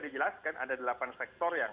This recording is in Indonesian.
dijelaskan ada delapan sektor yang